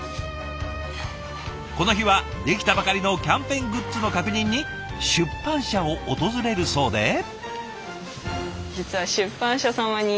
この日は出来たばかりのキャンペーングッズの確認に出版社を訪れるそうで。